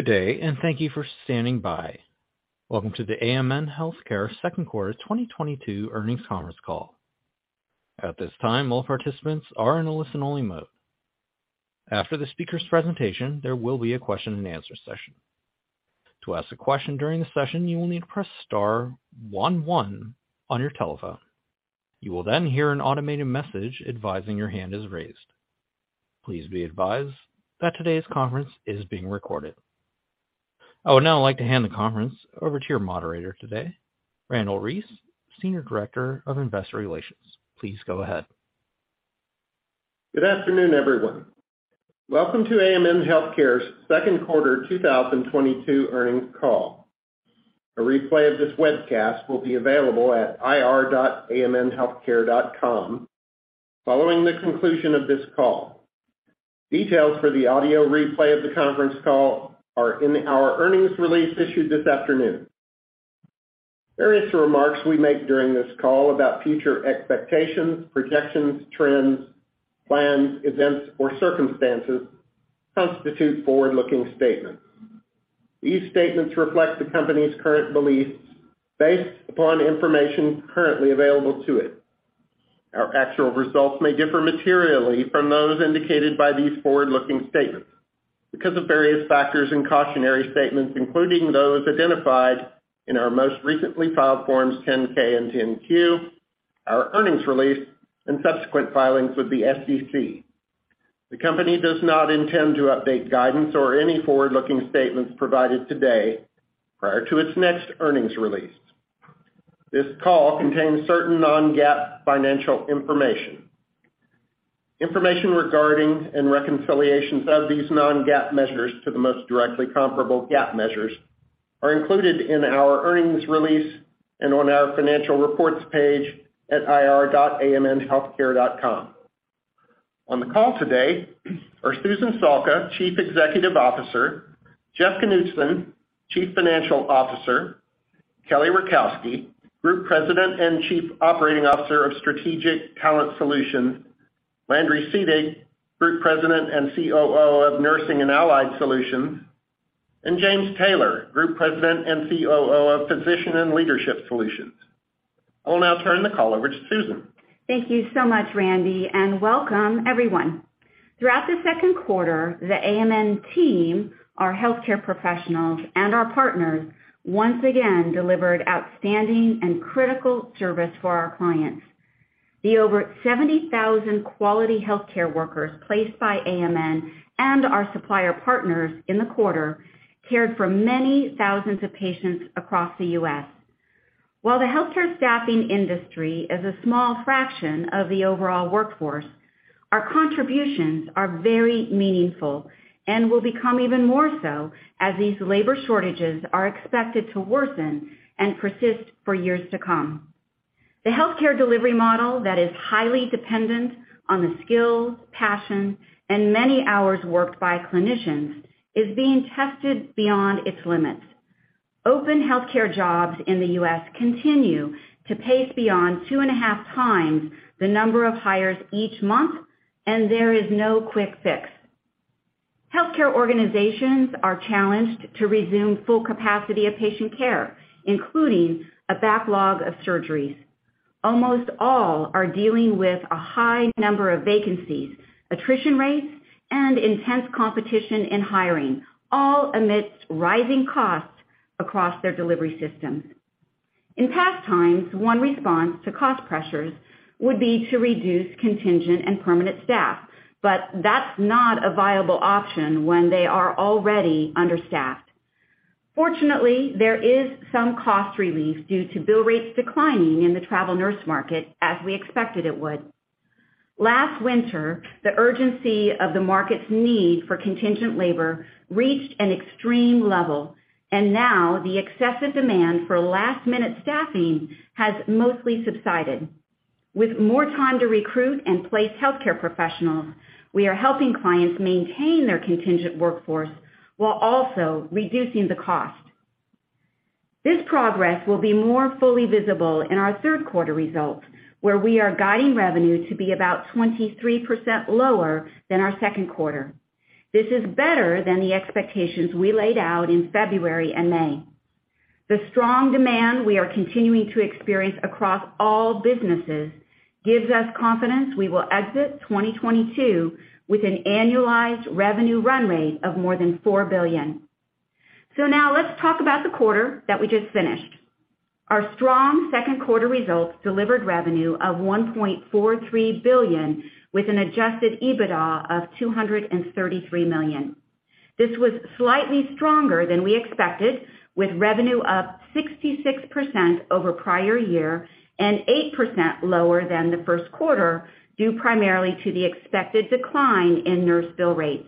Good day, and thank you for standing by. Welcome to the AMN Healthcare Q2 2022 Earnings Conference Call. At this time, all participants are in a listen-only mode. After the speaker's presentation, there will be a question and answer session. To ask a question during the session, you will need to press star one one on your telephone. You will then hear an automated message advising your hand is raised. Please be advised that today's conference is being recorded. I would now like to hand the conference over to your moderator today, Randle Reece, Senior Director of Investor Relations. Please go ahead. Good afternoon, everyone. Welcome to AMN Healthcare's Q2 2022 Earnings Call. A replay of this webcast will be available at ir.amnhealthcare.com following the conclusion of this call. Details for the audio replay of the conference call are in our earnings release issued this afternoon. Various remarks we make during this call about future expectations, projections, trends, plans, events, or circumstances constitute forward-looking statements. These statements reflect the company's current beliefs based upon information currently available to it. Our actual results may differ materially from those indicated by these forward-looking statements because of various factors and cautionary statements, including those identified in our most recently filed Form 10-K and Form 10-Q, our earnings release, and subsequent filings with the SEC. The company does not intend to update guidance or any forward-looking statements provided today prior to its next earnings release. This call contains certain non-GAAP financial information. Information regarding and reconciliations of these non-GAAP measures to the most directly comparable GAAP measures are included in our earnings release and on our financial reports page at ir.amnhealthcare.com. On the call today are Susan Salka, Chief Executive Officer, Jeff Knudson, Chief Financial Officer, Kelly Rakowski, Group President and Chief Operating Officer of Strategic Talent Solutions, Landry Seedig, Group President and COO of Nursing and Allied Solutions, and James Taylor, Group President and COO of Physician and Leadership Solutions. I will now turn the call over to Susan. Thank you so much, Randle, and welcome everyone. Throughout the Q2, the AMN team, our healthcare professionals, and our partners once again delivered outstanding and critical service for our clients. The over 70,000 quality healthcare workers placed by AMN and our supplier partners in the quarter cared for many thousands of patients across the U.S. While the healthcare staffing industry is a small fraction of the overall workforce, our contributions are very meaningful and will become even more so as these labor shortages are expected to worsen and persist for years to come. The healthcare delivery model that is highly dependent on the skills, passion, and many hours worked by clinicians is being tested beyond its limits. Open healthcare jobs in the U.S. continue to outpace beyond 2.5 times the number of hires each month, and there is no quick fix. Healthcare organizations are challenged to resume full capacity of patient care, including a backlog of surgeries. Almost all are dealing with a high number of vacancies, attrition rates, and intense competition in hiring, all amidst rising costs across their delivery systems. In past times, one response to cost pressures would be to reduce contingent and permanent staff, but that's not a viable option when they are already understaffed. Fortunately, there is some cost relief due to bill rates declining in the travel nurse market as we expected it would. Last winter, the urgency of the market's need for contingent labor reached an extreme level, and now the excessive demand for last-minute staffing has mostly subsided. With more time to recruit and place healthcare professionals, we are helping clients maintain their contingent workforce while also reducing the cost. This progress will be more fully visible in our Q3 results, where we are guiding revenue to be about 23% lower than our Q2. This is better than the expectations we laid out in February and May. The strong demand we are continuing to experience across all businesses gives us confidence we will exit 2022 with an annualized revenue run rate of more than $4 billion. Now let's talk about the quarter that we just finished. Our strong Q2 results delivered revenue of $1.43 billion with an adjusted EBITDA of $233 million. This was slightly stronger than we expected, with revenue up 66% over prior year and 8% lower than the Q1, due primarily to the expected decline in nurse bill rates.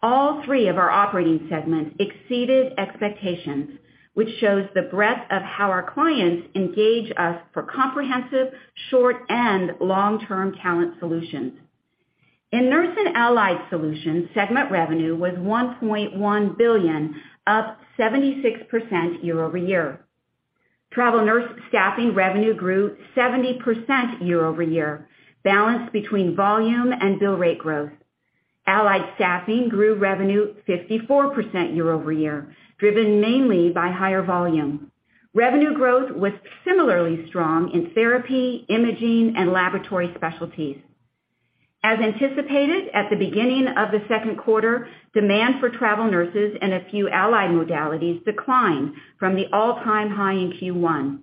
All three of our operating segments exceeded expectations, which shows the breadth of how our clients engage us for comprehensive short- and long-term talent solutions. In Nurse and Allied Solutions, segment revenue was $1.1 billion, up 76% year-over-year. Travel nurse staffing revenue grew 70% year-over-year, balanced between volume and bill rate growth. Allied staffing grew revenue 54% year-over-year, driven mainly by higher volume. Revenue growth was similarly strong in therapy, imaging, and laboratory specialties. As anticipated, at the beginning of the Q2, demand for travel nurses and a few allied modalities declined from the all-time high in Q1.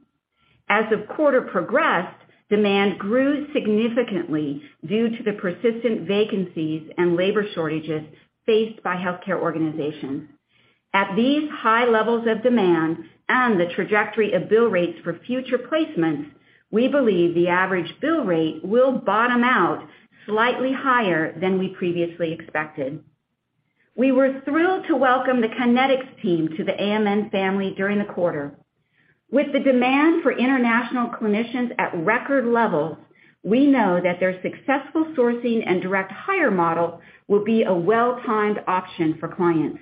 As the quarter progressed, demand grew significantly due to the persistent vacancies and labor shortages faced by healthcare organizations. At these high levels of demand and the trajectory of bill rates for future placements, we believe the average bill rate will bottom out slightly higher than we previously expected. We were thrilled to welcome the Connectics team to the AMN family during the quarter. With the demand for international clinicians at record levels, we know that their successful sourcing and direct hire model will be a well-timed option for clients.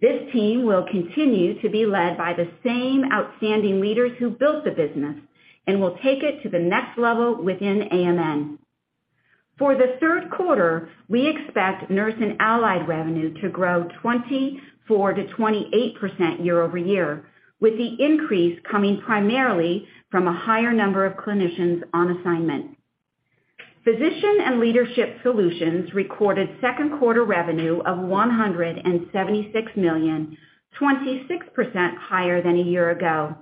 This team will continue to be led by the same outstanding leaders who built the business and will take it to the next level within AMN. For the Q3, we expect nurse and allied revenue to grow 24%-28% year-over-year, with the increase coming primarily from a higher number of clinicians on assignment. Physician and Leadership Solutions recorded Q2 revenue of $176 million, 26% higher than a year ago.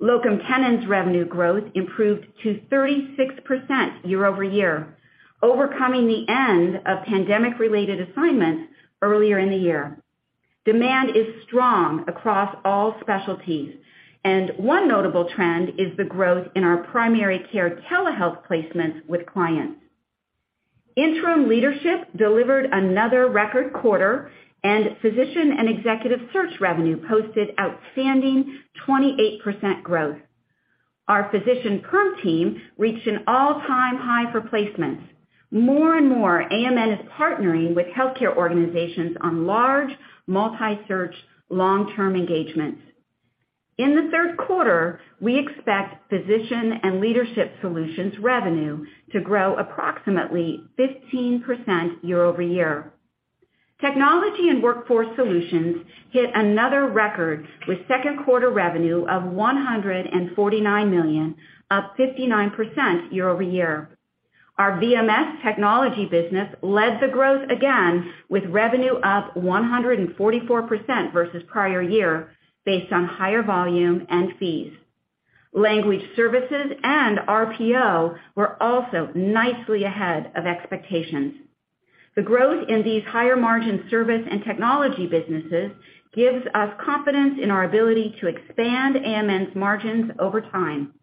Locum tenens revenue growth improved to 36% year-over-year, overcoming the end of pandemic-related assignments earlier in the year. Demand is strong across all specialties, and one notable trend is the growth in our primary care telehealth placements with clients. Interim leadership delivered another record quarter and physician and executive search revenue posted outstanding 28% growth. Our physician perm team reached an all-time high for placements. More and more, AMN is partnering with healthcare organizations on large, multi-search, long-term engagements. In the Q3, we expect Physician and Leadership Solutions revenue to grow approximately 15% year-over-year. Technology and Workforce Solutions hit another record with Q2 revenue of $149 million, up 59% year-over-year. Our VMS technology business led the growth again with revenue up 144% versus prior year based on higher volume and fees. Language services and RPO were also nicely ahead of expectations. The growth in these higher margin service and technology businesses gives us confidence in our ability to expand AMN's margins over time.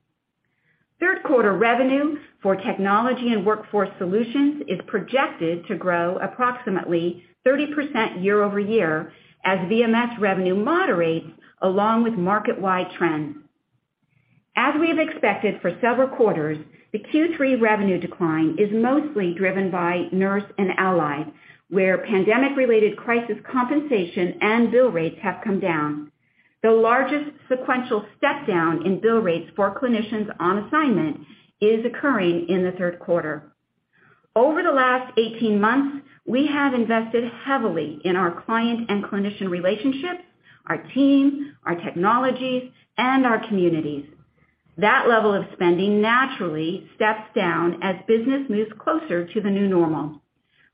Q3 revenue for Technology and Workforce Solutions is projected to grow approximately 30% year-over-year as VMS revenue moderates along with market-wide trends. As we have expected for several quarters, the Q3 revenue decline is mostly driven by Nurse and Allied, where pandemic-related crisis compensation and bill rates have come down. The largest sequential step down in bill rates for clinicians on assignment is occurring in the Q3. Over the last 18 months, we have invested heavily in our client and clinician relationships, our team, our technologies, and our communities. That level of spending naturally steps down as business moves closer to the new normal.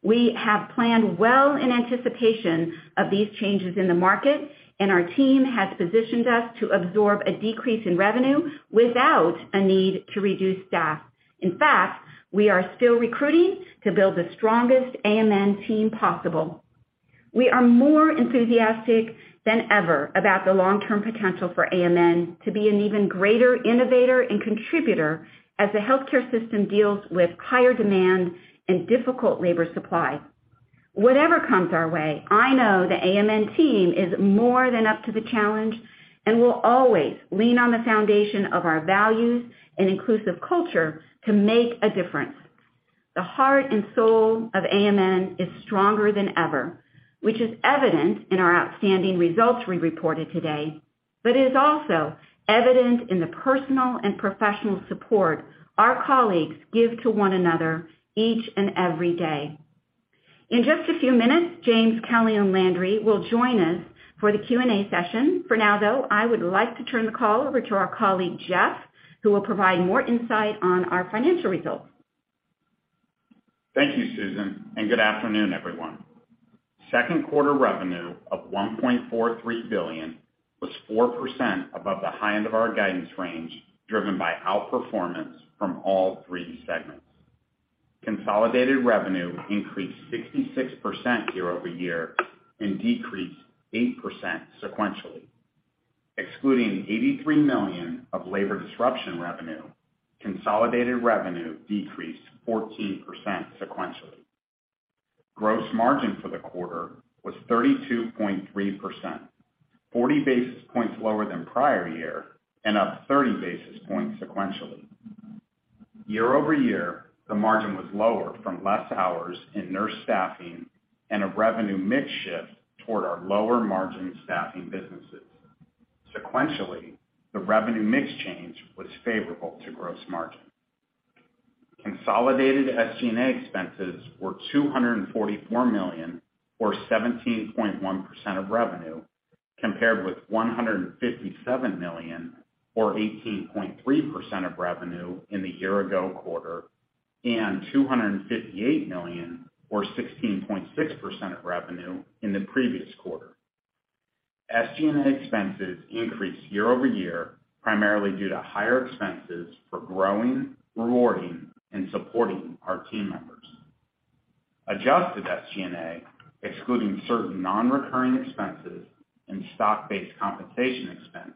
We have planned well in anticipation of these changes in the market, and our team has positioned us to absorb a decrease in revenue without a need to reduce staff. In fact, we are still recruiting to build the strongest AMN team possible. We are more enthusiastic than ever about the long-term potential for AMN to be an even greater innovator and contributor as the healthcare system deals with higher demand and difficult labor supply. Whatever comes our way, I know the AMN team is more than up to the challenge and will always lean on the foundation of our values and inclusive culture to make a difference. The heart and soul of AMN is stronger than ever, which is evident in our outstanding results we reported today. It is also evident in the personal and professional support our colleagues give to one another each and every day. In just a few minutes, James, Kelly, and Landry will join us for the Q&A session. For now, though, I would like to turn the call over to our colleague, Jeff, who will provide more insight on our financial results. Thank you, Susan, and good afternoon, everyone. Q2 revenue of $1.43 billion was 4% above the high end of our guidance range, driven by outperformance from all three segments. Consolidated revenue increased 66% year over year and decreased 8% sequentially. Excluding $83 million of labor disruption revenue, consolidated revenue decreased 14% sequentially. Gross margin for the quarter was 32.3%, 40 basis points lower than prior year and up 30 basis points sequentially. Year over year, the margin was lower from less hours in nurse staffing and a revenue mix shift toward our lower margin staffing businesses. Sequentially, the revenue mix change was favorable to gross margin. Consolidated SG&A expenses were $244 million, or 17.1% of revenue, compared with $157 million, or 18.3% of revenue in the year ago quarter, and $258 million, or 16.6% of revenue in the previous quarter. SG&A expenses increased year-over-year, primarily due to higher expenses for growing, rewarding, and supporting our team members. Adjusted SG&A, excluding certain non-recurring expenses and stock-based compensation expense,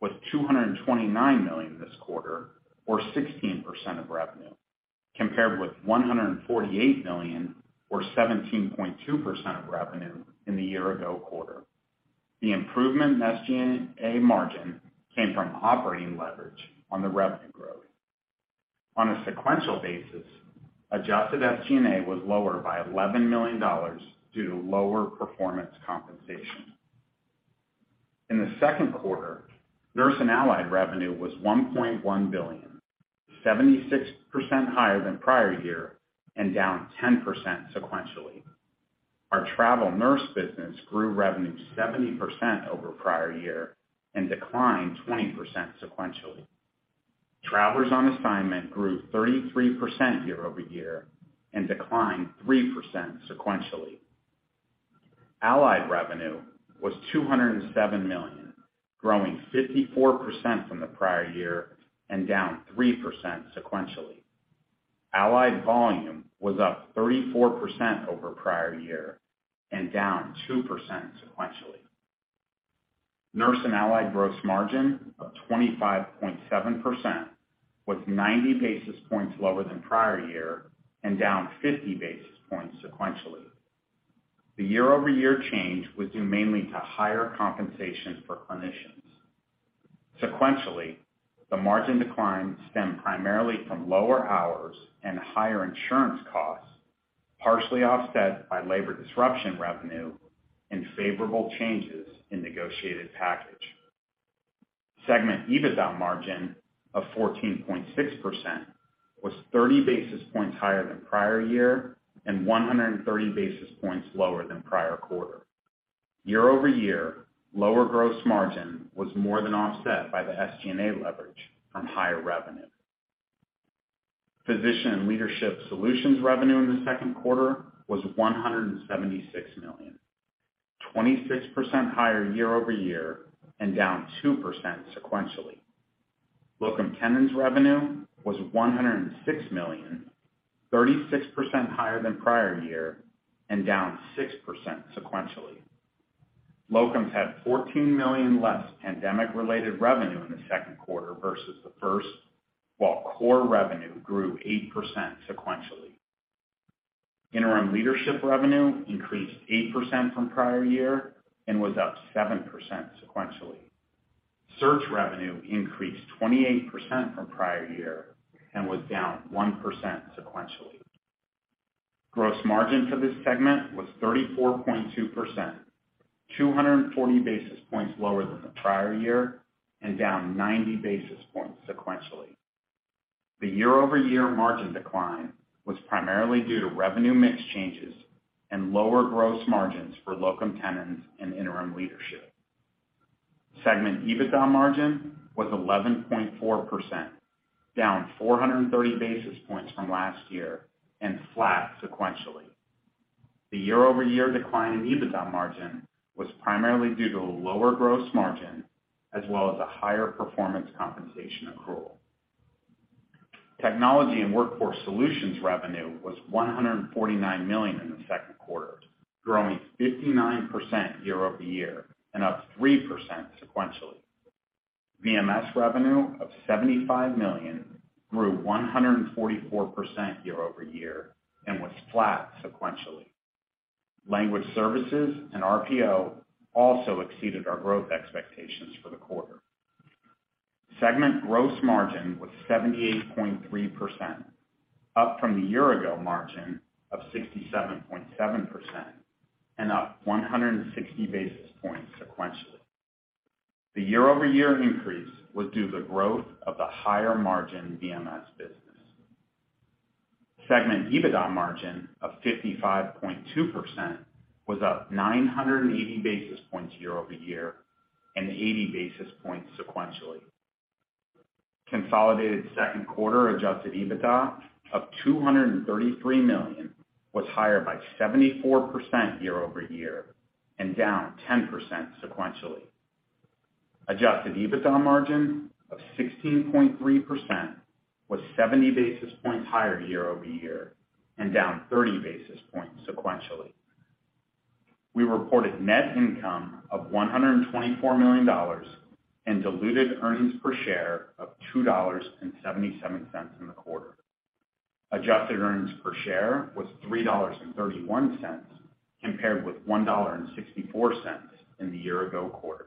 was $229 million this quarter, or 16% of revenue, compared with $148 million, or 17.2% of revenue in the year ago quarter. The improvement in SG&A margin came from operating leverage on the revenue growth. On a sequential basis, adjusted SG&A was lower by $11 million due to lower performance compensation. In the Q2, Nurse and Allied revenue was $1.1 billion, 76% higher than prior year and down 10% sequentially. Our travel nurse business grew revenue 70% over prior year and declined 20% sequentially. Travelers on assignment grew 33% year-over-year and declined 3% sequentially. Allied revenue was $207 million, growing 54% from the prior year and down 3% sequentially. Allied volume was up 34% over prior year and down 2% sequentially. Nurse and Allied gross margin of 25.7% was 90 basis points lower than prior year and down 50 basis points sequentially. The year-over-year change was due mainly to higher compensation for clinicians. Sequentially, the margin decline stemmed primarily from lower hours and higher insurance costs, partially offset by labor disruption revenue and favorable changes in negotiated package. Segment EBITDA margin of 14.6% was 30 basis points higher than prior year and 130 basis points lower than prior quarter. Year-over-year, lower gross margin was more than offset by the SG&A leverage from higher revenue. Physician and Leadership Solutions revenue in the Q2 was $176 million, 26% higher year-over-year and down 2% sequentially. Locum tenens revenue was $106 million, 36% higher than prior year and down 6% sequentially. Locums had $14 million less pandemic-related revenue in the Q2 versus the first, while core revenue grew 8% sequentially. Interim leadership revenue increased 8% from prior year and was up 7% sequentially. Search revenue increased 28% from prior year and was down 1% sequentially. Gross margin for this segment was 34.2%, 240 basis points lower than the prior year and down 90 basis points sequentially. The year-over-year margin decline was primarily due to revenue mix changes and lower gross margins for locum tenens and interim leadership. Segment EBITDA margin was 11.4%, down 430 basis points from last year and flat sequentially. The year-over-year decline in EBITDA margin was primarily due to lower gross margin as well as a higher performance compensation accrual. Technology and Workforce Solutions revenue was $149 million in the Q2, growing 59% year-over-year and up 3% sequentially. VMS revenue of $75 million grew 144% year-over-year and was flat sequentially. Language services and RPO also exceeded our growth expectations for the quarter. Segment gross margin was 78.3%, up from the year-ago margin of 67.7% and up 160 basis points sequentially. The year-over-year increase was due to the growth of the higher margin VMS business. Segment EBITDA margin of 55.2% was up 980 basis points year-over-year and 80 basis points sequentially. Consolidated Q2 adjusted EBITDA of $233 million was higher by 74% year-over-year and down 10% sequentially. Adjusted EBITDA margin of 16.3% was 70 basis points higher year-over-year and down 30 basis points sequentially. We reported net income of $124 million and diluted earnings per share of $2.77 in the quarter. Adjusted earnings per share was $3.31 compared with $1.64 in the year ago quarter.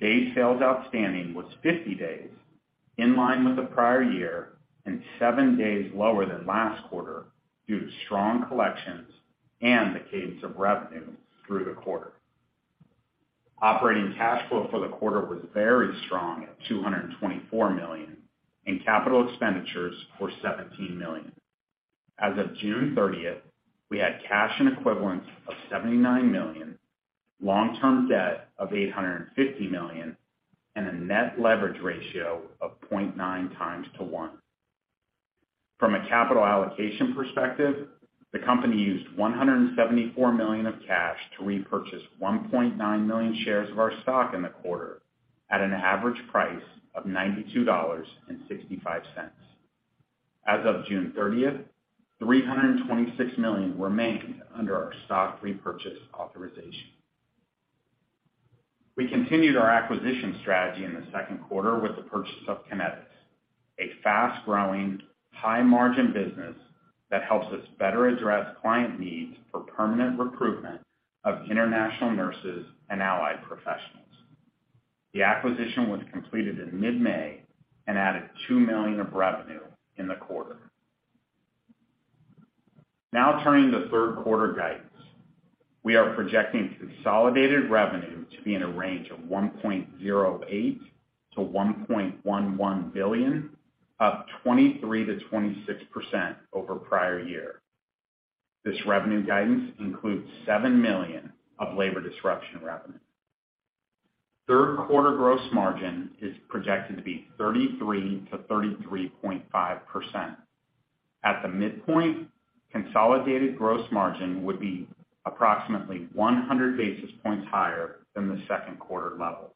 Day sales outstanding was 50 days, in line with the prior year and 7 days lower than last quarter due to strong collections and the cadence of revenue through the quarter. Operating cash flow for the quarter was very strong at $224 million, and capital expenditures were $17 million. As of June 30th, we had cash and equivalents of $79 million, long-term debt of $850 million, and a net leverage ratio of 0.9 times to 1. From a capital allocation perspective, the company used $174 million of cash to repurchase 1.9 million shares of our stock in the quarter at an average price of $92.65. As of June 30, $326 million remained under our stock repurchase authorization. We continued our acquisition strategy in the Q2 with the purchase of Connetics USA, a fast-growing, high-margin business that helps us better address client needs for permanent recruitment of international nurses and allied professionals. The acquisition was completed in mid-May and added $2 million of revenue in the quarter. Now turning to Q3 guidance. We are projecting consolidated revenue to be in a range of $1.08-$1.11 billion, up 23%-26% over prior year. This revenue guidance includes $7 million of labor disruption revenue. Q3 gross margin is projected to be 33%-33.5%. At the midpoint, consolidated gross margin would be approximately 100 basis points higher than the Q2 level.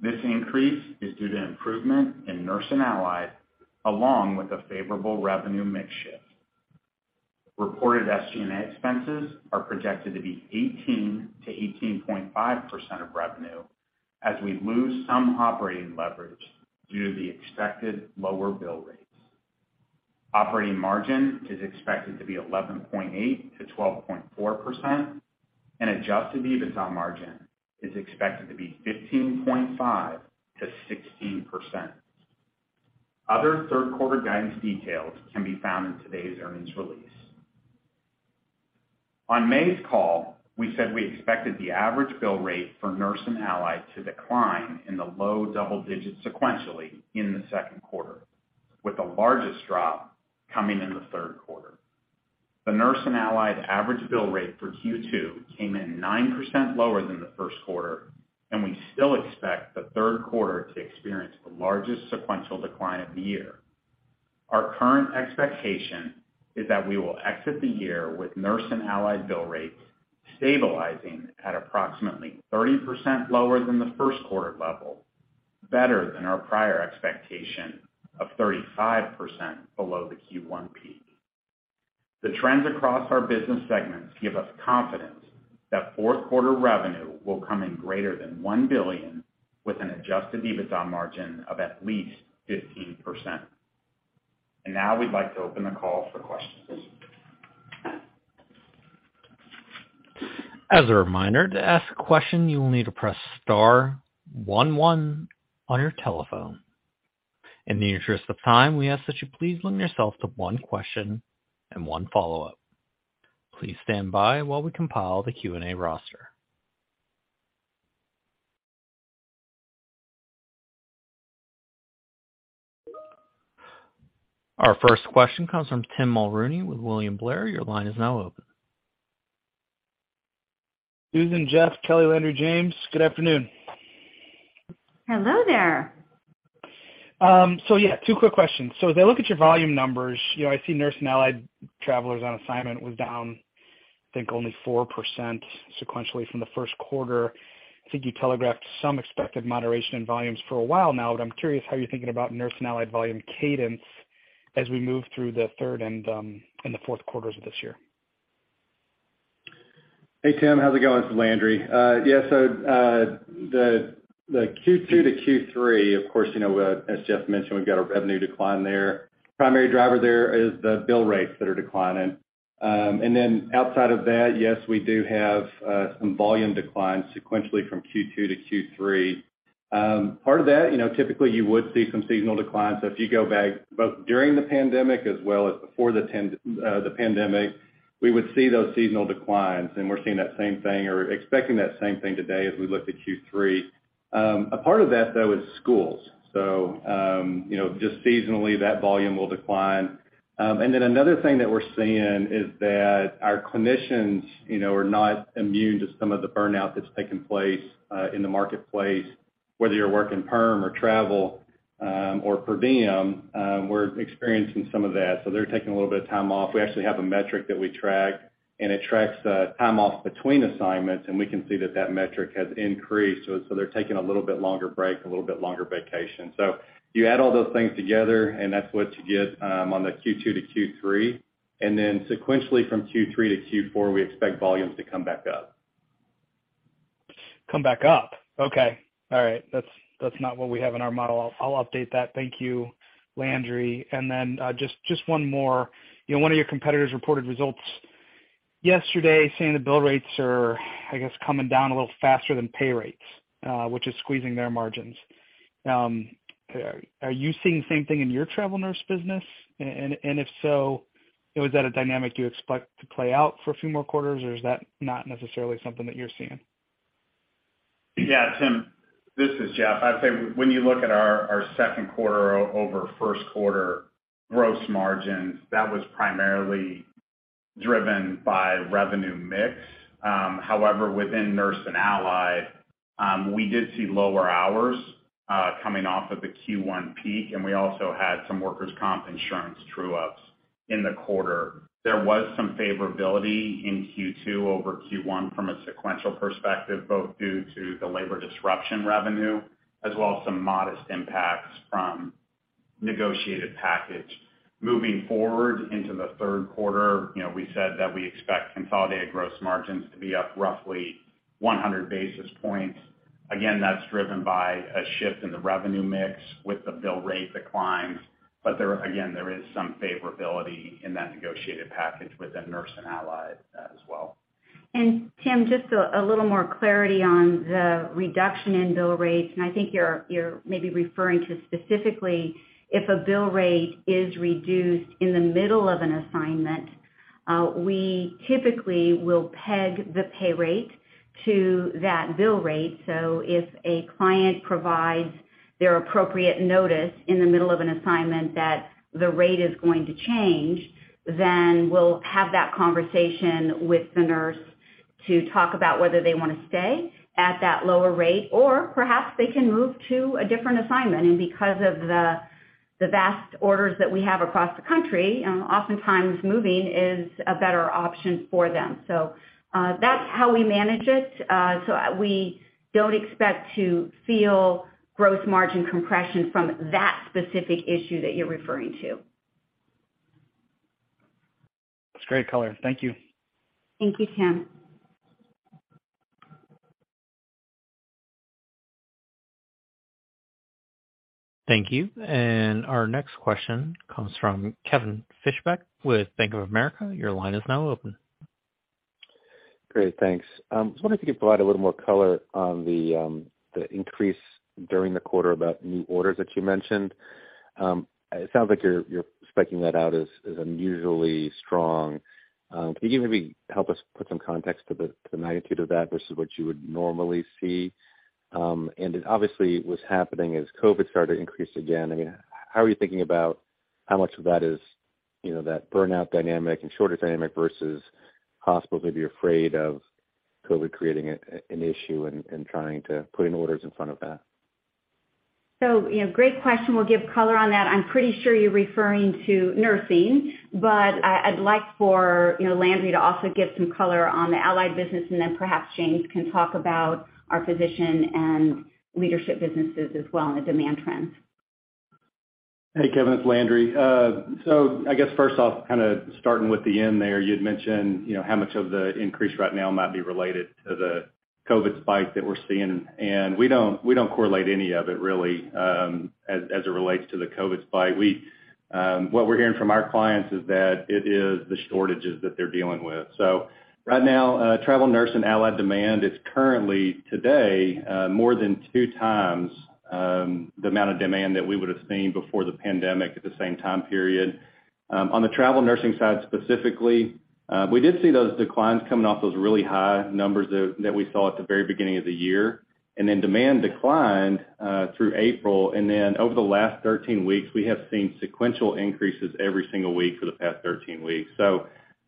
This increase is due to improvement in Nurse & Allied, along with a favorable revenue mix shift. Reported SG&A expenses are projected to be 18%-18.5% of revenue as we lose some operating leverage due to the expected lower bill rates. Operating margin is expected to be 11.8%-12.4%, and adjusted EBITDA margin is expected to be 15.5%-16%. Other third-quarter guidance details can be found in today's earnings release. On May's call, we said we expected the average bill rate for Nurse & Allied to decline in the low double digits sequentially in the Q2, with the largest drop coming in the Q3. The Nurse & Allied average bill rate for Q2 came in 9% lower than the Q1, and we still expect the Q3 to experience the largest sequential decline of the year. Our current expectation is that we will exit the year with Nurse & Allied bill rates stabilizing at approximately 30% lower than the Q1 level, better than our prior expectation of 35% below the Q1 peak. The trends across our business segments give us confidence that Q4 revenue will come in greater than $1 billion with an adjusted EBITDA margin of at least 15%. Now we'd like to open the call for questions. As a reminder, to ask a question, you will need to press star one one on your telephone. In the interest of time, we ask that you please limit yourself to one question and one follow-up. Please stand by while we compile the Q&A roster. Our first question comes from Tim Mulrooney with William Blair. Your line is now open. Susan, Jeff, Kelly, Landry, James, good afternoon. Hello there. Yeah, two quick questions. As I look at your volume numbers, you know, I see Nurse & Allied travelers on assignment was down, I think only 4% sequentially from the Q1. I think you telegraphed some expected moderation in volumes for a while now, but I'm curious how you're thinking about Nurse & Allied volume cadence as we move through the third and the Q4s of this year. Hey, Tim, how's it going? This is Landry. Yeah, so the Q2 to Q3, of course, you know, as Jeff mentioned, we've got a revenue decline there. Primary driver there is the bill rates that are declining. And then outside of that, yes, we do have some volume declines sequentially from Q2 to Q3. Part of that, you know, typically you would see some seasonal declines. So if you go back both during the pandemic as well as before the pandemic, we would see those seasonal declines. We're seeing that same thing or expecting that same thing today as we look to Q3. A part of that, though, is schools. So, you know, just seasonally, that volume will decline. Another thing that we're seeing is that our clinicians, you know, are not immune to some of the burnout that's taken place in the marketplace, whether you're working perm or travel or per diem, we're experiencing some of that. They're taking a little bit of time off. We actually have a metric that we track, and it tracks the time off between assignments, and we can see that metric has increased. They're taking a little bit longer break, a little bit longer vacation. You add all those things together and that's what you get on the Q2 to Q3. Sequentially from Q3 to Q4, we expect volumes to come back up. Come back up? Okay. All right. That's not what we have in our model. I'll update that. Thank you, Landry. Just one more. You know, one of your competitors reported results yesterday saying the bill rates are, I guess, coming down a little faster than pay rates, which is squeezing their margins. Are you seeing the same thing in your travel nurse business? If so, is that a dynamic you expect to play out for a few more quarters, or is that not necessarily something that you're seeing? Yeah, Tim, this is Jeff. I'd say when you look at our Q2 over Q1 gross margins, that was primarily driven by revenue mix. However, within Nurse and Allied, we did see lower hours coming off of the Q1 peak, and we also had some workers' comp insurance true-ups in the quarter. There was some favorability in Q2 over Q1 from a sequential perspective, both due to the labor disruption revenue as well as some modest impacts from negotiated package. Moving forward into the Q3, you know, we said that we expect consolidated gross margins to be up roughly 100 basis points. Again, that's driven by a shift in the revenue mix with the bill rate declines. There again there is some favorability in that negotiated package within Nurse and Allied as well. Tim, just a little more clarity on the reduction in bill rates, and I think you're maybe referring to specifically if a bill rate is reduced in the middle of an assignment, we typically will peg the pay rate to that bill rate. If a client provides their appropriate notice in the middle of an assignment that the rate is going to change, then we'll have that conversation with the nurse to talk about whether they wanna stay at that lower rate, or perhaps they can move to a different assignment. Because of the vast orders that we have across the country, oftentimes moving is a better option for them. That's how we manage it. We don't expect to feel gross margin compression from that specific issue that you're referring to. That's great color. Thank you. Thank you, Tim. Thank you. Our next question comes from Kevin Fischbeck with Bank of America. Your line is now open. Great. Thanks. Just wondering if you could provide a little more color on the increase during the quarter about new orders that you mentioned. It sounds like you're expecting that out as unusually strong. Can you maybe help us put some context to the magnitude of that versus what you would normally see? It obviously was happening as COVID started to increase again. I mean, how are you thinking about how much of that is, you know, that burnout dynamic and shortage dynamic versus hospitals maybe afraid of COVID creating an issue and trying to put in orders in front of that? You know, great question. We'll give color on that. I'm pretty sure you're referring to Nursing, but I'd like for, you know, Landry to also give some color on the Allied business, and then perhaps James can talk about our Physician and Leadership businesses as well and the demand trends. Hey, Kevin, it's Landry. I guess first off, kinda starting with the end there, you'd mentioned, you know, how much of the increase right now might be related to the COVID spike that we're seeing, and we don't correlate any of it really, as it relates to the COVID spike. What we're hearing from our clients is that it is the shortages that they're dealing with. Right now, travel nurse and allied demand is currently today, more than two times, the amount of demand that we would've seen before the pandemic at the same time period. On the travel nursing side specifically, we did see those declines coming off those really high numbers that we saw at the very beginning of the year. Demand declined through April, and then over the last 13 weeks, we have seen sequential increases every single week for the past 13 weeks.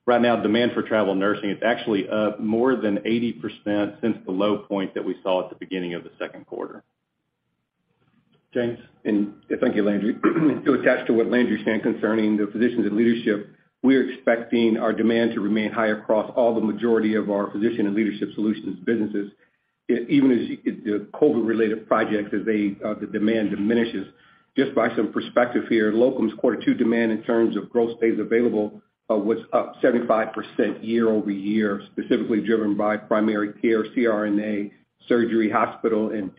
Right now, demand for travel nursing is actually up more than 80% since the low point that we saw at the beginning of the Q2. James. Thank you, Landry. To add to what Landry was saying concerning the physicians and leadership, we're expecting our demand to remain high across all the majority of our Physician and Leadership Solutions businesses, even as the COVID-related projects, as the demand diminishes. Just by some perspective here, locums quarter two demand in terms of growth stay stable, was up 75% year-over-year, specifically driven by primary care, CRNA, surgery, hospital, and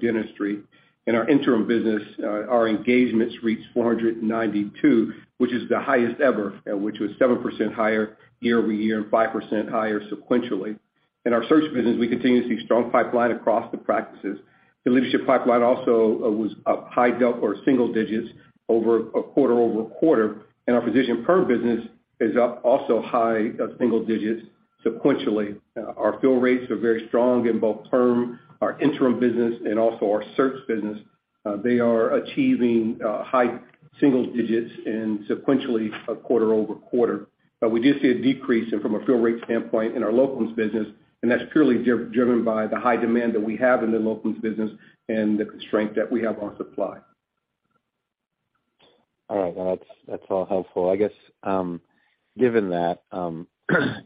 dentistry. In our interim business, our engagements reached 492, which is the highest ever, which was 7% higher year-over-year and 5% higher sequentially. In our search business, we continue to see strong pipeline across the practices. The leadership pipeline also was up high double- or single digits over quarter-over-quarter. Our physician perm business is up also high single digits sequentially. Our fill rates are very strong in both perm, our interim business and also our search business. They are achieving high single digits sequentially quarter over quarter. We do see a decrease from a fill rate standpoint in our locums business, and that's purely driven by the high demand that we have in the locums business and the constraint that we have on supply. All right. Well, that's all helpful. I guess, given that,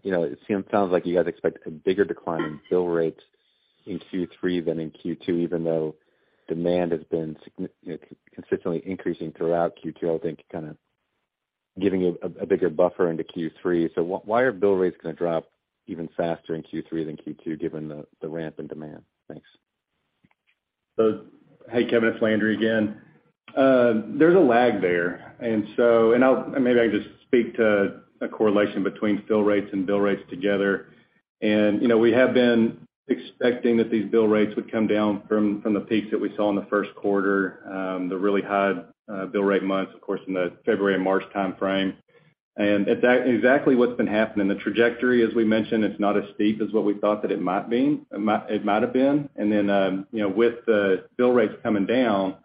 you know, sounds like you guys expect a bigger decline in bill rates in Q3 than in Q2, even though demand has been consistently increasing throughout Q2, I think kinda giving you a bigger buffer into Q3. Why are bill rates gonna drop even faster in Q3 than Q2, given the ramp in demand? Thanks. Hey, Kevin, it's Landry Seedig again. There's a lag there. Maybe I just speak to a correlation between fill rates and bill rates together. You know, we have been expecting that these bill rates would come down from the peaks that we saw in the Q1, the really high bill rate months, of course, in the February and March time frame. Exactly what's been happening. The trajectory, as we mentioned, it's not as steep as what we thought that it might be, it might have been. You know, with the bill rates coming down,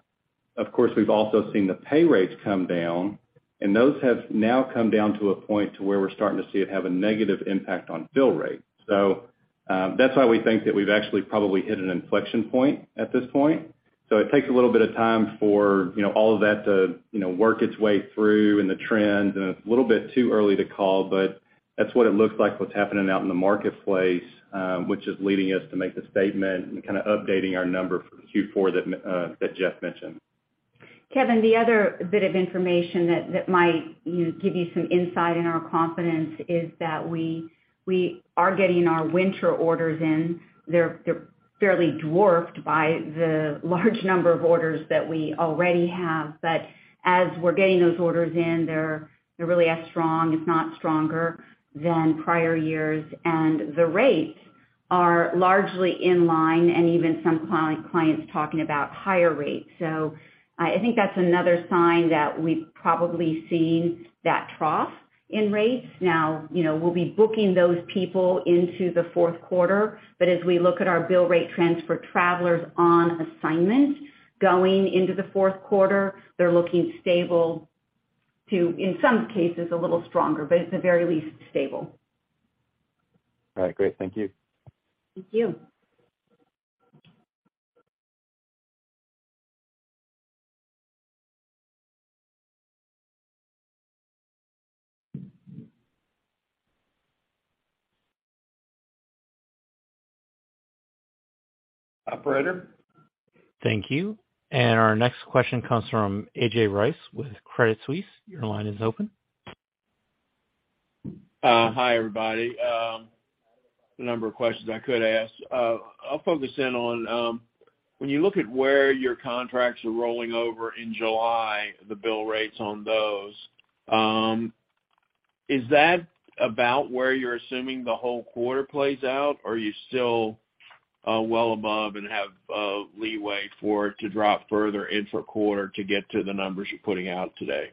of course, we've also seen the pay rates come down, and those have now come down to a point to where we're starting to see it have a negative impact on bill rate. That's why we think that we've actually probably hit an inflection point at this point. It takes a little bit of time for, you know, all of that to, you know, work its way through and the trends, and it's a little bit too early to call, but that's what it looks like, what's happening out in the marketplace, which is leading us to make the statement and kinda updating our number for Q4 that Jeff mentioned. Kevin, the other bit of information that might give you some insight in our confidence is that we are getting our winter orders in. They're fairly dwarfed by the large number of orders that we already have. As we're getting those orders in, they're really as strong, if not stronger, than prior years. The rates are largely in line and even some clients talking about higher rates. I think that's another sign that we've probably seen that trough in rates. You know, we'll be booking those people into the Q4. As we look at our bill rate transfer travelers on assignment going into the Q4, they're looking stable to, in some cases, a little stronger, but at the very least, stable. All right, great. Thank you. Thank you. Operator? Thank you. Our next question comes from A.J. Rice with Credit Suisse. Your line is open. Hi, everybody. A number of questions I could ask. I'll focus in on when you look at where your contracts are rolling over in July, the bill rates on those, is that about where you're assuming the whole quarter plays out? Or are you still well above and have leeway for it to drop further into quarter to get to the numbers you're putting out today?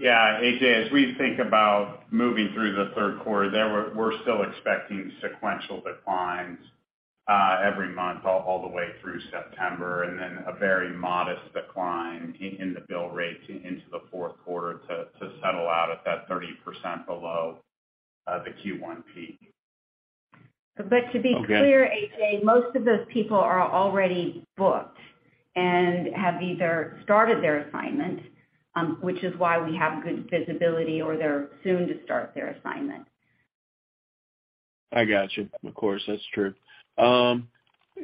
Yeah, A.J., as we think about moving through the Q3 there, we're still expecting sequential declines every month all the way through September, and then a very modest decline in the bill rates into the Q4 to settle out at that 30% below the Q1 peak. Okay. To be clear, A.J., most of those people are already booked and have either started their assignment, which is why we have good visibility or they're soon to start their assignment. I got you. Of course, that's true. The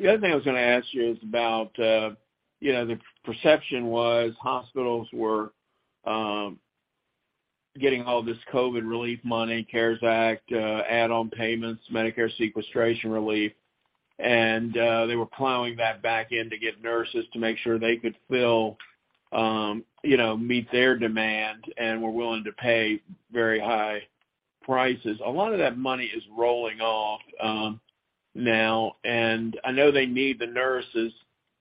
other thing I was gonna ask you is about, you know, the perception was hospitals were getting all this COVID relief money, CARES Act, add-on payments, Medicare sequestration relief, and they were plowing that back in to get nurses to make sure they could fill, you know, meet their demand and were willing to pay very high prices. A lot of that money is rolling off now. I know they need the nurses,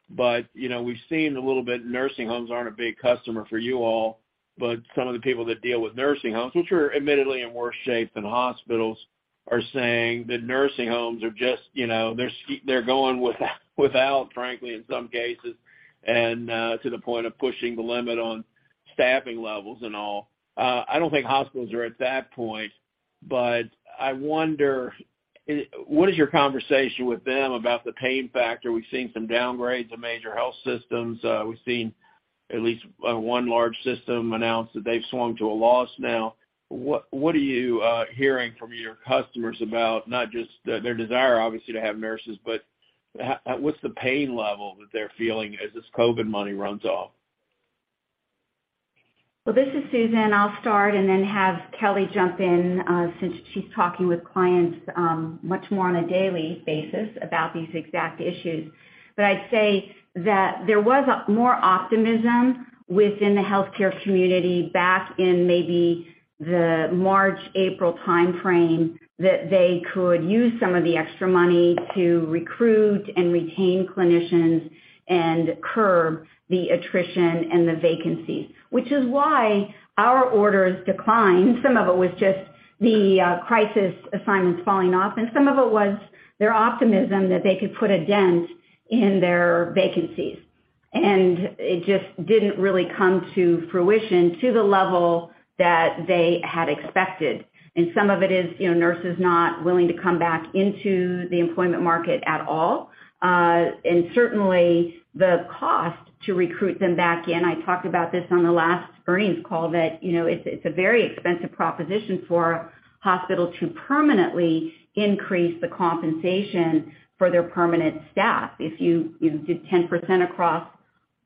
but we've seen a little bit nursing homes aren't a big customer for you all, but some of the people that deal with nursing homes, which are admittedly in worse shape than hospitals, are saying that nursing homes are just they're going without, frankly, in some cases, and to the point of pushing the limit on staffing levels and all. I don't think hospitals are at that point, but I wonder what is your conversation with them about the pain factor. We've seen some downgrades of major health systems. We've seen at least one large system announce that they've swung to a loss now. What are you hearing from your customers about not just their desire, obviously, to have nurses, but what's the pain level that they're feeling as this COVID money runs off? Well, this is Susan. I'll start and then have Kelly jump in, since she's talking with clients, much more on a daily basis about these exact issues. I'd say that there was more optimism within the healthcare community back in maybe the March, April timeframe, that they could use some of the extra money to recruit and retain clinicians and curb the attrition and the vacancies. Which is why our orders declined. Some of it was just the crisis assignments falling off, and some of it was their optimism that they could put a dent in their vacancies. It just didn't really come to fruition to the level that they had expected. Some of it is, you know, nurses not willing to come back into the employment market at all. Certainly the cost to recruit them back in. I talked about this on the last earnings call, that, you know, it's a very expensive proposition for hospitals to permanently increase the compensation for their permanent staff. If you do 10% across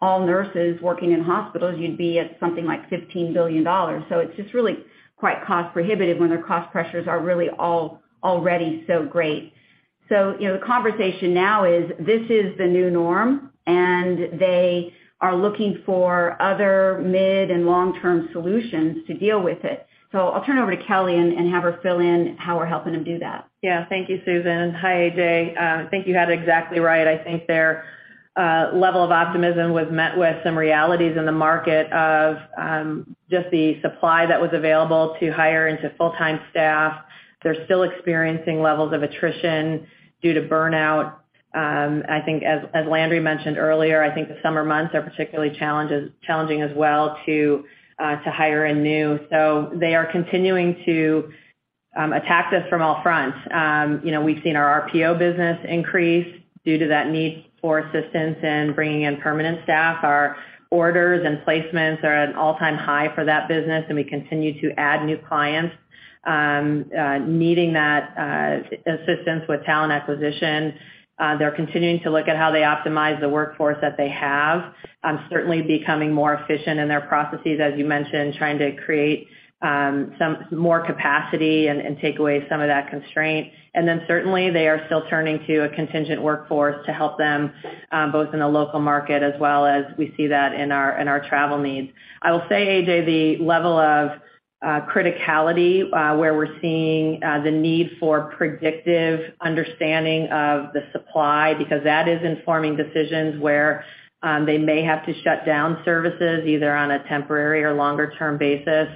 all nurses working in hospitals, you'd be at something like $15 billion. It's just really quite cost prohibitive when their cost pressures are really all already so great. You know, the conversation now is this is the new norm, and they are looking for other mid and long-term solutions to deal with it. I'll turn it over to Kelly and have her fill in how we're helping them do that. Yeah. Thank you, Susan. Hi, AJ. I think you had it exactly right. I think their level of optimism was met with some realities in the market of just the supply that was available to hire into full-time staff. They're still experiencing levels of attrition due to burnout. I think as Landry mentioned earlier, I think the summer months are particularly challenging as well to hire in new. They are continuing to attack this from all fronts. You know, we've seen our RPO business increase due to that need for assistance in bringing in permanent staff. Our orders and placements are at an all-time high for that business, and we continue to add new clients needing that assistance with talent acquisition. They're continuing to look at how they optimize the workforce that they have, certainly becoming more efficient in their processes, as you mentioned, trying to create some more capacity and take away some of that constraint. Certainly, they are still turning to a contingent workforce to help them both in the local market as well as we see that in our travel needs. I will say, A.J., the level of criticality where we're seeing the need for predictive understanding of the supply because that is informing decisions where they may have to shut down services either on a temporary or longer-term basis,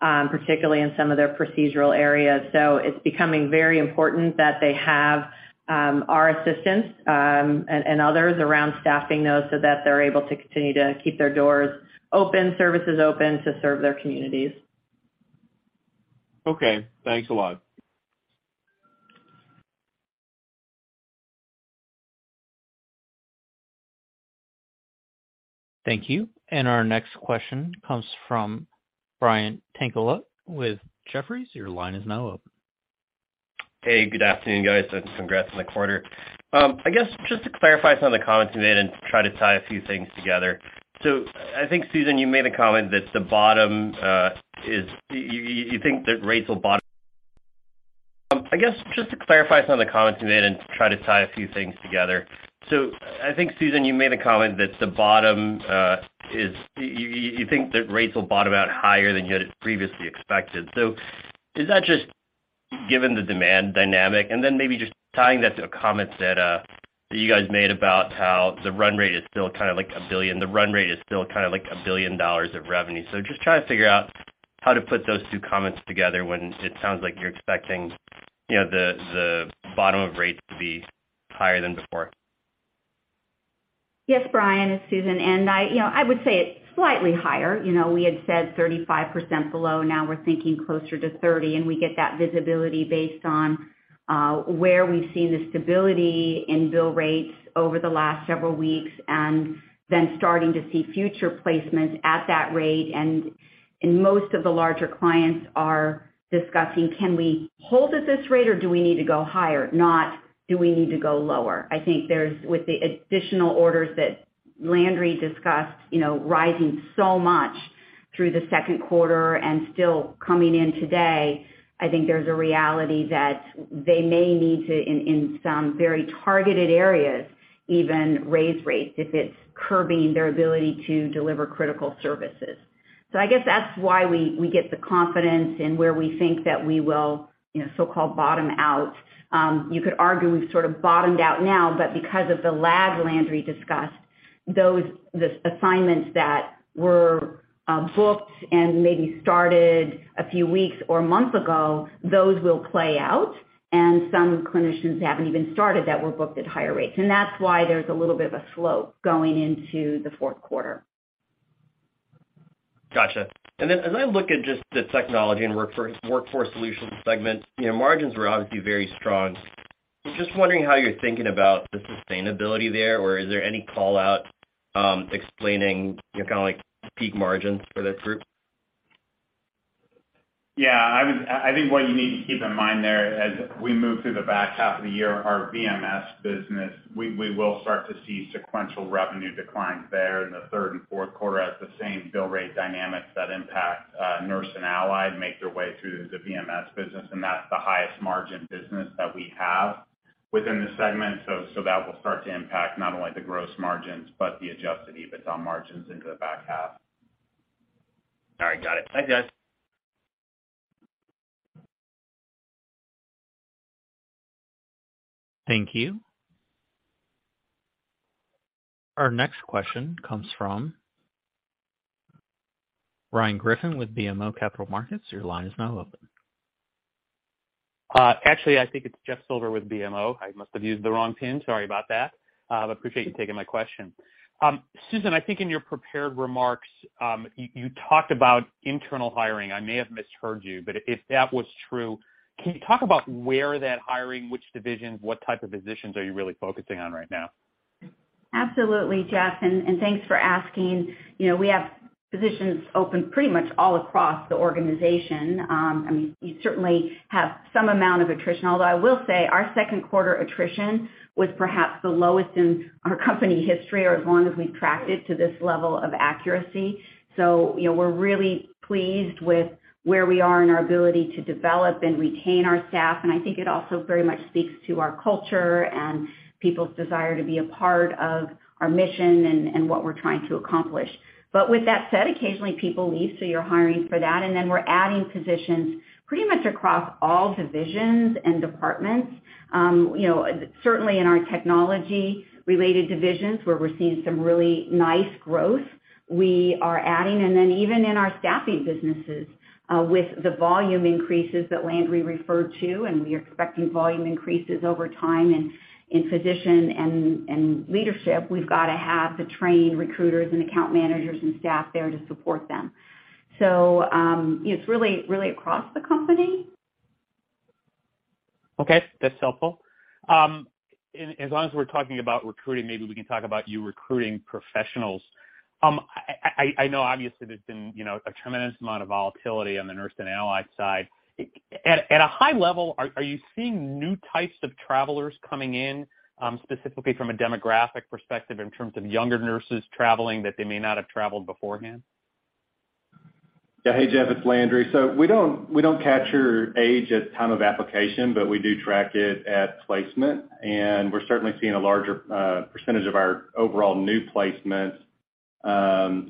particularly in some of their procedural areas. It's becoming very important that they have our assistance and others around staffing those so that they're able to continue to keep their doors open, services open to serve their communities. Okay. Thanks a lot. Thank you. Our next question comes from Brian Tanquilut with Jefferies. Your line is now open. Hey, good afternoon, guys, and congrats on the quarter. I guess, just to clarify some of the comments you made and try to tie a few things together. I think, Susan, you made a comment that the bottom, you think that rates will bottom out higher than you had previously expected. Is that just given the demand dynamic? Maybe just tying that to a comment that you guys made about how the run rate is still kind of like $1 billion of revenue. Just trying to figure out how to put those two comments together when it sounds like you're expecting, you know, the bottom of rates to be higher than before. Yes, Brian. It's Susan. I, you know, I would say it's slightly higher. You know, we had said 35% below. Now we're thinking closer to 30, and we get that visibility based on where we've seen the stability in bill rates over the last several weeks and then starting to see future placements at that rate. Most of the larger clients are discussing, "Can we hold at this rate or do we need to go higher?" Not, "Do we need to go lower?" I think there's, with the additional orders that Landry discussed, you know, rising so much through the Q2 and still coming in today, I think there's a reality that they may need to in some very targeted areas even raise rates if it's curbing their ability to deliver critical services. I guess that's why we get the confidence in where we think that we will, you know, so-called bottom out. You could argue we've sort of bottomed out now, but because of the lag Landry discussed, those, the assignments that were booked and maybe started a few weeks or months ago, those will play out, and some clinicians haven't even started that were booked at higher rates. That's why there's a little bit of a slope going into the Q4. Gotcha. Then as I look at just the Technology and Workforce Solutions segment, you know, margins were obviously very strong. Just wondering how you're thinking about the sustainability there, or is there any call-out explaining, you know, kinda like peak margins for this group? I think what you need to keep in mind there as we move through the back half of the year, our VMS business, we will start to see sequential revenue declines there in the third and Q4 as the same bill rate dynamics that impact Nurse and Allied make their way through the VMS business, and that's the highest margin business that we have within the segment. That will start to impact not only the gross margins, but the adjusted EBITDA margins into the back half. All right. Got it. Thanks, guys. Thank you. Our next question comes from Jeffrey Silber with BMO Capital Markets. Your line is now open. Actually, I think it's Jeff Silber with BMO. I must have used the wrong PIN. Sorry about that. I appreciate you taking my question. Susan, I think in your prepared remarks, you talked about internal hiring. I may have misheard you, but if that was true, can you talk about where that hiring, which divisions, what type of positions are you really focusing on right now? Absolutely, Jeff, and thanks for asking. You know, we have positions open pretty much all across the organization. I mean, we certainly have some amount of attrition, although I will say our Q2 attrition was perhaps the lowest in our company history or as long as we've tracked it to this level of accuracy. You know, we're really pleased with where we are in our ability to develop and retain our staff. I think it also very much speaks to our culture and people's desire to be a part of our mission and what we're trying to accomplish. With that said, occasionally people leave, so you're hiring for that. Then we're adding positions pretty much across all divisions and departments. You know, certainly in our technology-related divisions, we're receiving some really nice growth. We are adding, and then even in our staffing businesses, with the volume increases that Landry referred to, and we are expecting volume increases over time in physician and leadership. We've got to have the trained recruiters and account managers and staff there to support them. It's really, really across the company. Okay, that's helpful. As long as we're talking about recruiting, maybe we can talk about you recruiting professionals. I know obviously there's been, you know, a tremendous amount of volatility on the nurse and allied side. At a high level, are you seeing new types of travelers coming in, specifically from a demographic perspective in terms of younger nurses traveling that they may not have traveled beforehand? Yeah. Hey, Jeff, it's Landry. We don't capture age at time of application, but we do track it at placement. We're certainly seeing a larger percentage of our overall new placements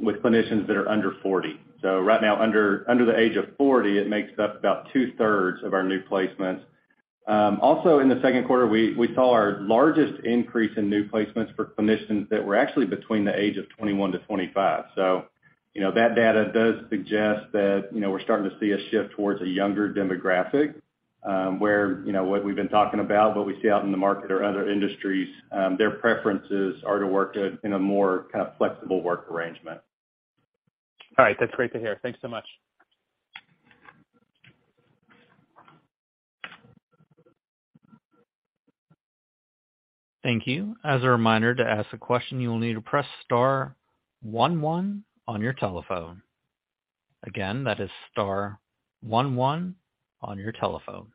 with clinicians that are under 40. Right now under the age of 40, it makes up about 2/3 of our new placements. Also in the Q2, we saw our largest increase in new placements for clinicians that were actually between the age of 21 to 25. You know, that data does suggest that, you know, we're starting to see a shift towards a younger demographic, where, you know, what we've been talking about, what we see out in the market or other industries, their preferences are to work in a more kind of flexible work arrangement. All right. That's great to hear. Thanks so much. Thank you. As a reminder, to ask a question, you will need to press star one one on your telephone. Again, that is star one one on your telephone.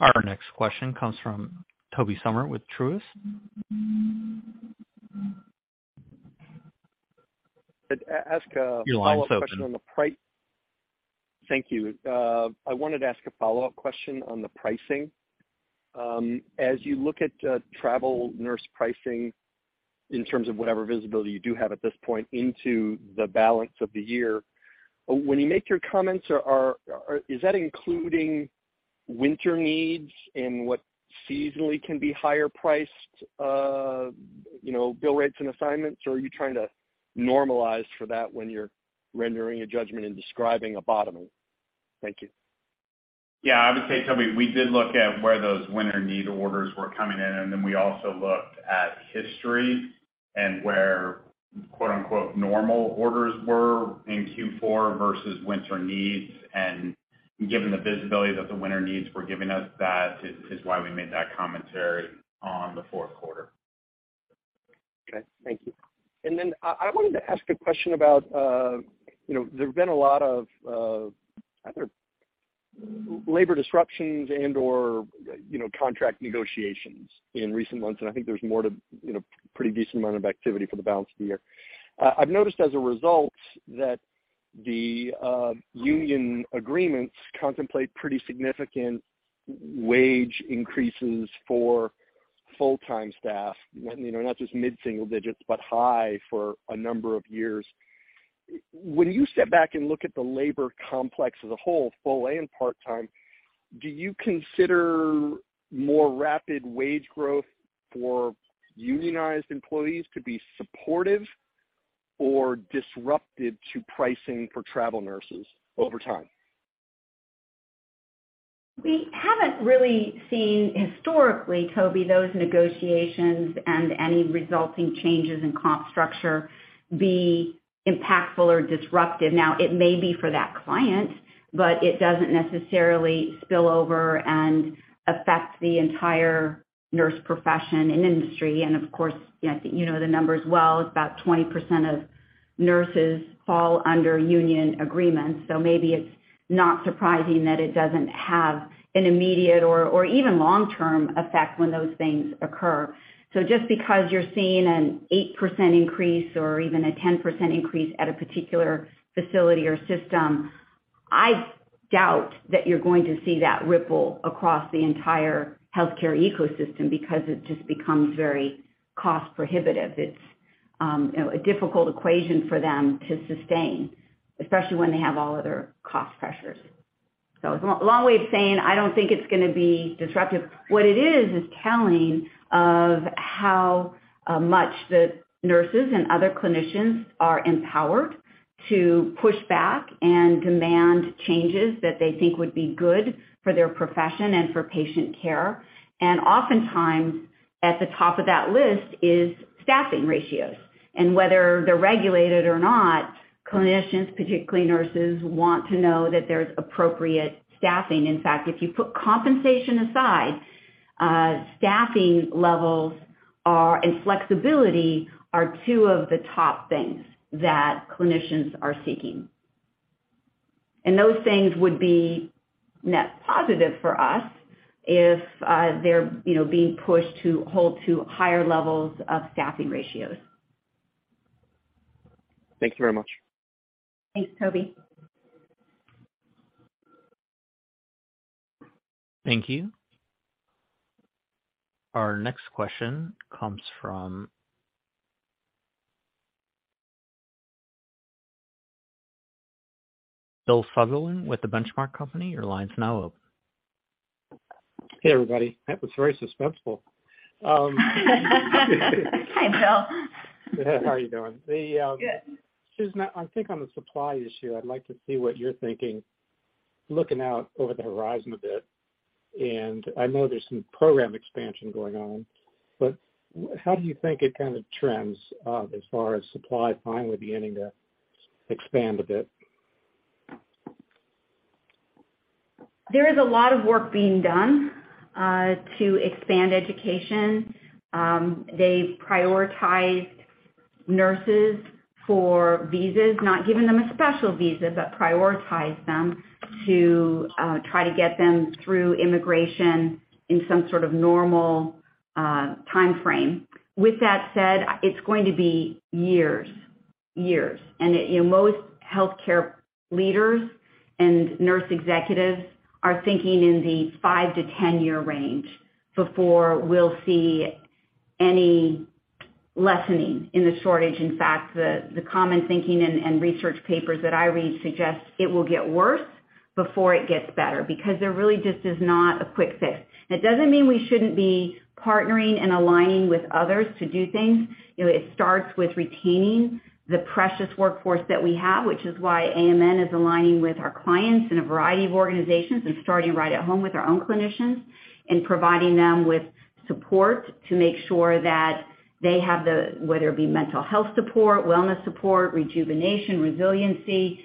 Our next question comes from Tobey Sommer with Truist. Could ask a follow-up question on the pri- Your line is open. Thank you. I wanted to ask a follow-up question on the pricing. As you look at travel nurse pricing in terms of whatever visibility you do have at this point into the balance of the year, when you make your comments, is that including winter needs and what seasonally can be higher priced, you know, bill rates and assignments? Or are you trying to normalize for that when you're rendering a judgment and describing a bottoming? Thank you. Yeah, I would say, Tobey, we did look at where those winter need orders were coming in, and then we also looked at history and where "normal orders" were in Q4 versus winter needs. Given the visibility that the winter needs were giving us that is why we made that commentary on the Q4. Okay, thank you. I wanted to ask a question about, you know, there have been a lot of labor disruptions and/or, you know, contract negotiations in recent months, and I think there's more to, you know, pretty decent amount of activity for the balance of the year. I've noticed as a result that the union agreements contemplate pretty significant wage increases for full-time staff, you know, not just mid-single digits, but high for a number of years. When you step back and look at the labor complex as a whole, full and part-time, do you consider more rapid wage growth for unionized employees to be supportive or disruptive to pricing for travel nurses over time? We haven't really seen historically, Tobey, those negotiations and any resulting changes in comp structure be impactful or disruptive. Now, it may be for that client, but it doesn't necessarily spill over and affect the entire nurse profession and industry. Of course, I think you know the numbers well, about 20% of nurses fall under union agreements. Maybe it's not surprising that it doesn't have an immediate or even long-term effect when those things occur. Just because you're seeing an 8% increase or even a 10% increase at a particular facility or system, I doubt that you're going to see that ripple across the entire healthcare ecosystem because it just becomes very cost prohibitive. It's, you know, a difficult equation for them to sustain, especially when they have all of their cost pressures. It's a long way of saying I don't think it's going to be disruptive. What it is telling of how much the nurses and other clinicians are empowered to push back and demand changes that they think would be good for their profession and for patient care. Oftentimes at the top of that list is staffing ratios. Whether they're regulated or not, clinicians, particularly nurses, want to know that there's appropriate staffing. In fact, if you put compensation aside, staffing levels and flexibility are two of the top things that clinicians are seeking. Those things would be net positive for us if they're, you know, being pushed to hold to higher levels of staffing ratios. Thank you very much. Thanks, Tobey. Thank you. Our next question comes from Bill Sutherland with The Benchmark Company. Your line's now open. Hey, everybody. That was very suspenseful. Hi, Bill. How are you doing? Good. Susan, I think on the supply issue, I'd like to see what you're thinking, looking out over the horizon a bit. I know there's some program expansion going on, but how do you think it kinda trends, as far as supply finally beginning to expand a bit? There is a lot of work being done to expand education. They've prioritized nurses for visas, not giving them a special visa, but prioritized them to try to get them through immigration in some sort of normal timeframe. With that said, it's going to be years. You know, most healthcare leaders and nurse executives are thinking in the 5-10-year range before we'll see any lessening in the shortage. In fact, the common thinking and research papers that I read suggest it will get worse before it gets better because there really just is not a quick fix. That doesn't mean we shouldn't be partnering and aligning with others to do things. You know, it starts with retaining the precious workforce that we have, which is why AMN is aligning with our clients in a variety of organizations and starting right at home with our own clinicians and providing them with support to make sure that they have the, whether it be mental health support, wellness support, rejuvenation, resiliency,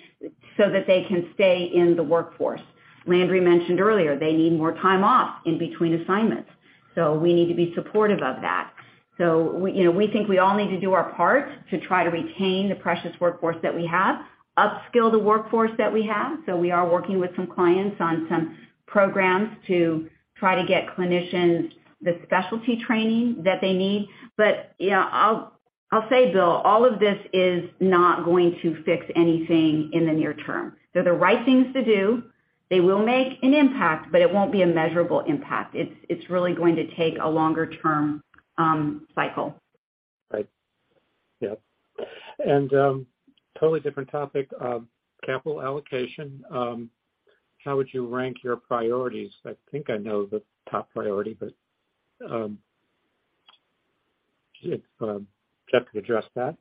so that they can stay in the workforce. Landry mentioned earlier, they need more time off in between assignments, so we need to be supportive of that. We, you know, we think we all need to do our part to try to retain the precious workforce that we have, upskill the workforce that we have, so we are working with some clients on some programs to try to get clinicians the specialty training that they need. You know, I'll say, Bill, all of this is not going to fix anything in the near term. They're the right things to do. They will make an impact, but it won't be a measurable impact. It's really going to take a longer term cycle. Right. Yeah. Totally different topic, capital allocation. How would you rank your priorities? I think I know the top priority, but if Jeff could address that.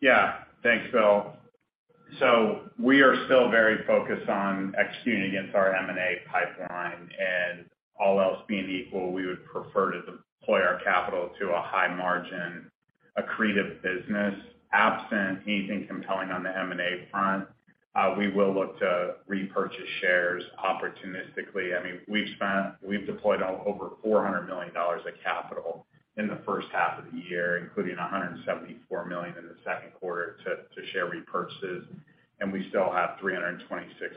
Yeah. Thanks, Bill. We are still very focused on executing against our M&A pipeline, and all else being equal, we would prefer to deploy our capital to a high margin accretive business. Absent anything compelling on the M&A front, we will look to repurchase shares opportunistically. I mean, we've deployed over $400 million of capital in the first half of the year, including $174 million in the Q2 to share repurchases, and we still have $326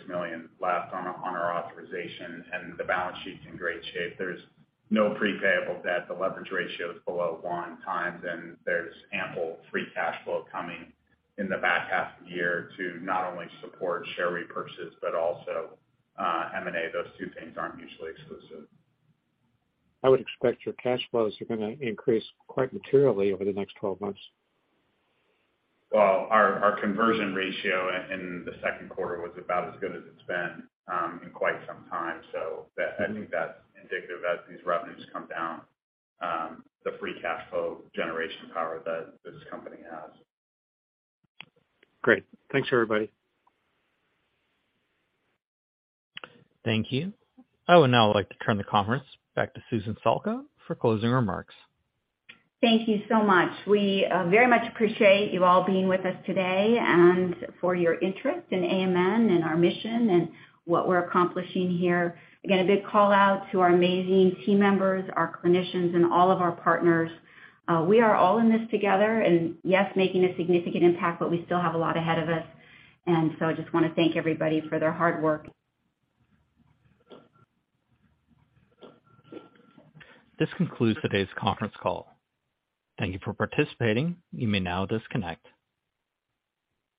million left on our authorization, and the balance sheet's in great shape. There's no prepaid debt, the leverage ratio is below 1x, and there's ample free cash flow coming in the back half of the year to not only support share repurchases but also M&A. Those two things aren't mutually exclusive. I would expect your cash flows are gonna increase quite materially over the next 12 months. Well, our conversion ratio in the Q2 was about as good as it's been in quite some time. That, I think that's indicative as these revenues come down, the free cash flow generation power that this company has. Great. Thanks, everybody. Thank you. I would now like to turn the conference back to Susan Salka for closing remarks. Thank you so much. We very much appreciate you all being with us today and for your interest in AMN and our mission and what we're accomplishing here. Again, a big call-out to our amazing team members, our clinicians, and all of our partners. We are all in this together and yes, making a significant impact, but we still have a lot ahead of us. I just wanna thank everybody for their hard work. This concludes today's conference call. Thank you for participating. You may now disconnect.